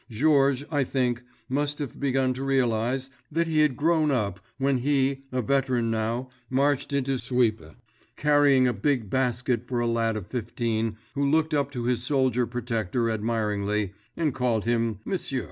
Georges, I think, must have begun to realize that he had grown up when he, a veteran now, marched into Suippes, carrying a big basket for a lad of fifteen who looked up to his soldier protector admiringly, and called him "M'sieu."